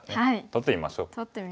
取ってみましょう。